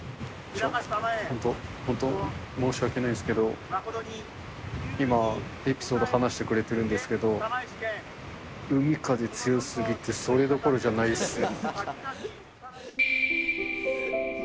ちょっと本当、本当申し訳ないんですけど、今、エピソード話してくれてるんですけど、海風強すぎてそれどころじゃないっすよ。